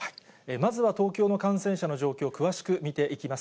まずは東京の感染者の状況、詳しく見ていきます。